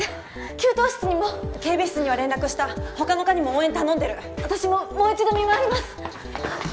給湯室にも警備室には連絡した他の科にも応援頼んでる私ももう一度見まわります！